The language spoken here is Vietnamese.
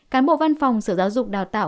cán bộ văn phòng sở giáo dục đào tạo